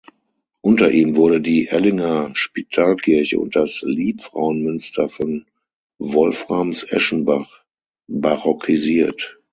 Unter ihm wurde die Ellinger Spitalkirche und das Liebfrauenmünster von Wolframs-Eschenbach barockisiert.